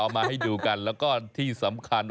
มาดูแล้วก็ที่สำคัญ